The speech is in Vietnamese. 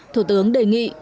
thủ tướng đề nghị